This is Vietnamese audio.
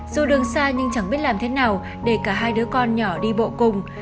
dù đường xa nhưng chẳng biết làm thế nào để cả hai đứa con nhỏ đi bộ cùng